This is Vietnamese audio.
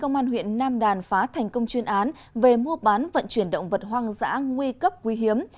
công an huyện nam đàn phá thành công chuyên án về mua bán vận chuyển động vật hoang dã nguy cấp quý hiếm